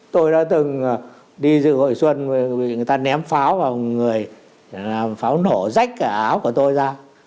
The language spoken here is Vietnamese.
tôi đã từng đi dự hội xuân người ta ném pháo vào người pháo nổ rách cái áo của tôi ra